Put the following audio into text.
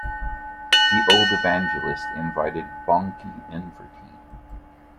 The old evangelist invited Bonnke in for tea.